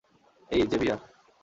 এই, জেভিয়ার?